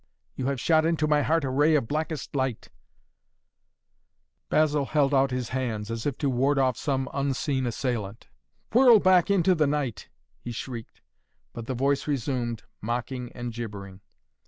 You have shot into my heart a ray of blackest light " Basil held out his hands, as if to ward off some unseen assailant. "Whirl back into the night " he shrieked, but the voice resumed, mocking and gibbering.